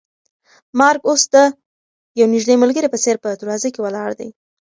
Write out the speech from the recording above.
مرګ اوس د یو نږدې ملګري په څېر په دروازه کې ولاړ دی.